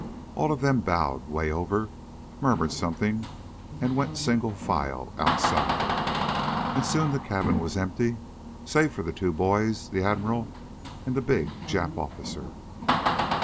All of them bowed way over, murmured something, and went single file outside. And soon the cabin was empty save for the two boys, the Admiral, and the big Jap officer.